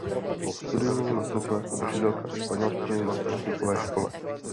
Po studiu nastoupila jako učitelka španělštiny na jazykové škole.